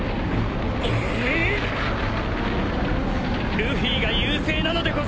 ルフィが優勢なのでござるな！？